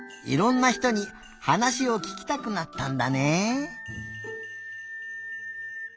いろんな人にはなしをききたくなったんだね！